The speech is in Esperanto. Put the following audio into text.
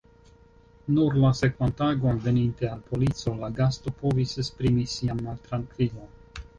Nur la sekvan tagon, veninte al polico, la gasto povis esprimi sian maltrankvilon.